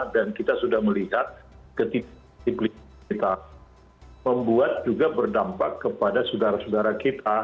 dan kita sudah melihat ketidaktifitas kita membuat juga berdampak kepada saudara saudara kita